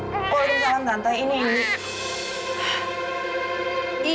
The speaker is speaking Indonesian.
waalaikumsalam tante ini indi